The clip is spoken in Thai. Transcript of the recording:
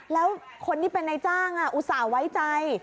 แล้วคนที่เป็นนายจ้างอุตส่าห์ไว้ใจ